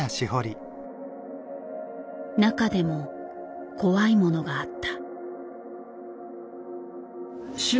中でも怖いものがあった。